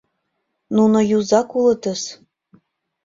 — Нуно юзак улытыс...